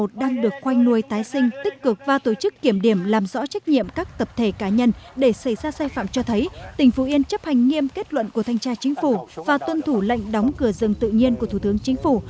tỉnh phú yên tích cực và tổ chức kiểm điểm làm rõ trách nhiệm các tập thể cá nhân để xây ra sai phạm cho thấy tỉnh phú yên chấp hành nghiêm kết luận của thanh tra chính phủ và tuân thủ lệnh đóng cửa rừng tự nhiên của thủ tướng chính phủ